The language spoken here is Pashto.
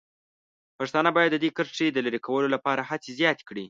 پښتانه باید د دې کرښې د لرې کولو لپاره هڅې زیاتې کړي.